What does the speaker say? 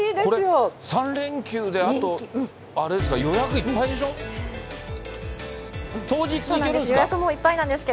これ、３連休であと、あれですか、予約いっぱいでしょ？